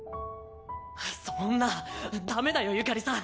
そんなダメだよユカリさん。